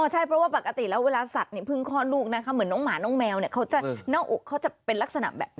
ใช่เพราะว่าปกติแล้วเวลาสัตว์เพิ่งคลอดลูกนะคะเหมือนน้องหมาน้องแมวเนี่ยเขาจะหน้าอกเขาจะเป็นลักษณะแบบนี้